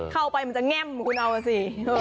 เข้าไปมันจะแง่มคุณเอาสิ